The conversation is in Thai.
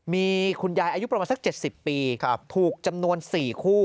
มีคุณยายอายุประมาณสัก๗๐ปีถูกจำนวน๔คู่